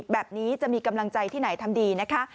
แบบนี้จะมีกำลังใจที่ไหนทำดีนะคะ